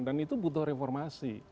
dan itu butuh reformasi